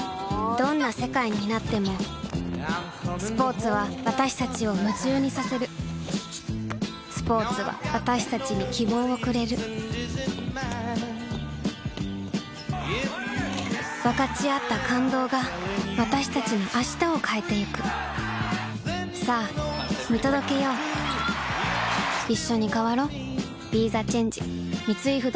どんな世界になってもスポーツは私たちを夢中にさせるスポーツは私たちに希望をくれる分かち合った感動が私たちの明日を変えてゆくさあ見届けよういっしょに変わろう。